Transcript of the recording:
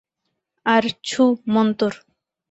আর ছুঃ মন্তর!